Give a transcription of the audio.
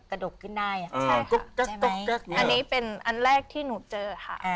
กระดกกินได้อ่ะใช่ค่ะใช่ไหมอันนี้เป็นอันแรกที่หนูเจอค่ะ